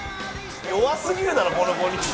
「弱すぎるだろこの５人」